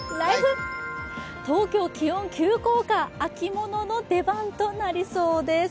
東京気温、急降下秋物の出番となりそうです。